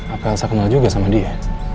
apa elsa kenal juga sama dia